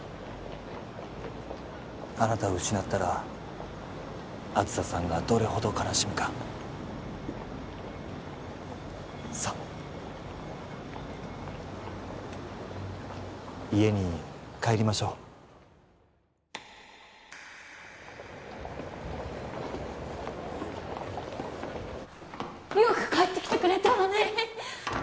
あなたを失ったら梓さんがどれほど悲しむかさあ家に帰りましょうよく帰ってきてくれたわね